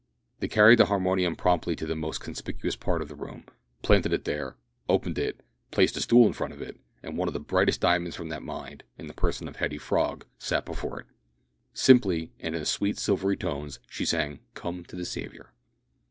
They carried the harmonium promptly to the most conspicuous part of the room, planted it there, opened it, placed a stool in front of it, and one of the brightest diamonds from that mine in the person of Hetty Frog sat down before it. Simply, and in sweet silvery tones, she sang "Come to the Saviour."